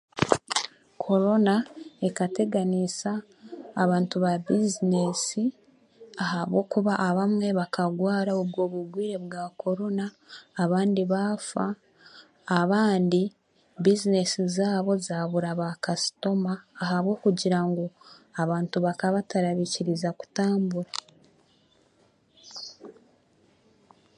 Korona ekateganiisa abantu baabizineesi ahabwokuba abamwe bakagwara obwo bugwire bwa korona abandi baafa abandi bizineesi zaabo zaabura baakasitoma ahabwokugira ngu abantu bakaabatarabaikiriza kutambura.